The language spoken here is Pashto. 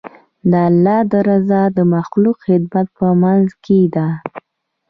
د الله رضا د مخلوق د خدمت په منځ کې ده.